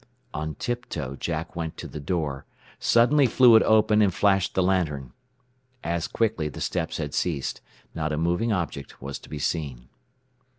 On tiptoe Jack went back to the door, suddenly flung it open and flashed the lantern. As quickly the steps had ceased. Not a moving object was to be seen.